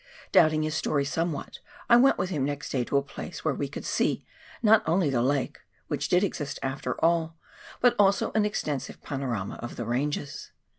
Doubting his story somewhat, I went with him next day to a place where we could see, not only the lake — which did exist after all — but also an extensive pano rama of the ranges.